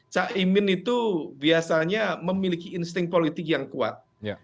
cak imin itu biasanya memiliki insting politik yang kuat